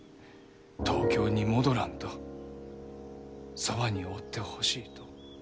東京に戻らんとそばにおってほしいと。